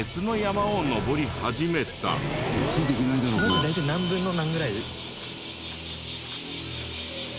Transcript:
今って大体何分の何ぐらい？